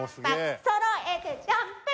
そろえてジャンプ！